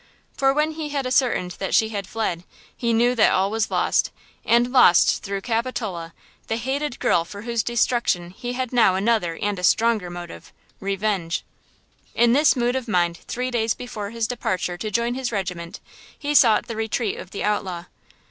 For when he had ascertained that she had fled, he knew that all was lost–and lost through Capitola, the hated girl for whose destruction he had now another and a stronger motive–revenge! In this mood of mind three days before his departure to join his regiment he sought the retreat of the outlaw.